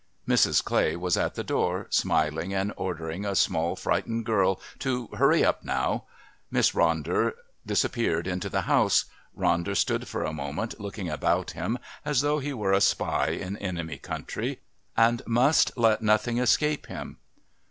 Mrs. Clay was at the door, smiling and ordering a small frightened girl to "hurry up now." Miss Ronder disappeared into the house. Ronder stood for a moment looking about him as though he were a spy in enemy country and must let nothing escape him.